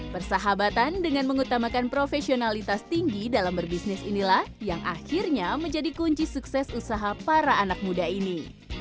persahabatan dengan mengutamakan profesionalitas tinggi dalam berbisnis inilah yang akhirnya menjadi kunci sukses usaha para anak muda ini